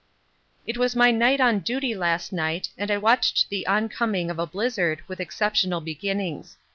It was my night on duty last night and I watched the oncoming of a blizzard with exceptional beginnings.